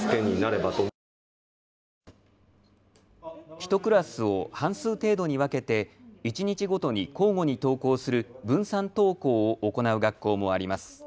１クラスを半数程度に分けて一日ごとに交互に登校する分散登校を行う学校もあります。